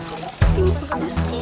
ini kolamnya enggak dalam diri dulu